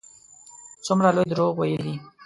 څومره لوی دروغ ویلي دي.